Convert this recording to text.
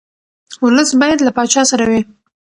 ولس باید له پاچا سره وي.